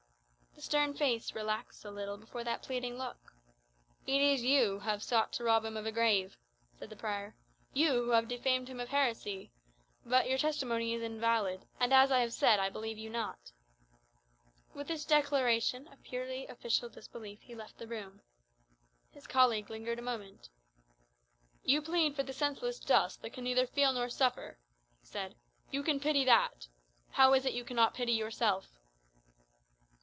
The stern set face relaxed a little before that pleading look. "It is you who have sought to rob him of a grave," said the prior "you who have defamed him of heresy. But your testimony is invalid; and, as I have said, I believe you not." With this declaration of purely official disbelief, he left the room. His colleague lingered a moment. "You plead for the senseless dust that can neither feel nor suffer," he said; "you can pity that. How is it you cannot pity yourself?"